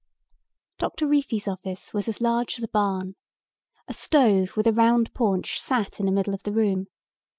Doctor Reefy's office was as large as a barn. A stove with a round paunch sat in the middle of the room.